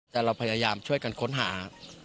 แต่เราพยายามช่วยกันค้นหา